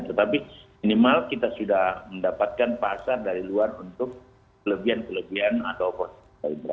tetapi minimal kita sudah mendapatkan pasar dari luar untuk kelebihan kelebihan atau oposisi